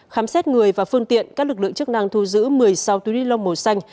khám xét người và phương tiện các lực lượng chức năng thu giữ một mươi sáu túi ni lông màu xanh